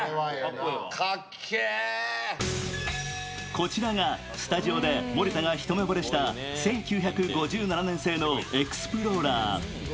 こちらがスタジオで森田が一目ぼれした１９５７年製のエクスプローラー。